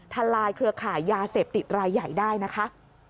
ลายเครือข่ายยาเสพติดรายใหญ่ได้นะคะ